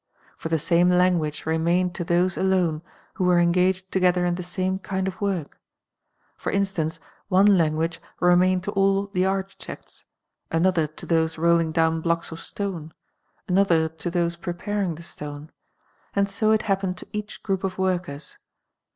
For the same language re mained to those alnnc who were engaged together in the same kind of work ; for instance, one language remained to all the architects, another to those rolliir.; down blocks of stone, another to those preparing the stone ; and so it happened to each group of workers.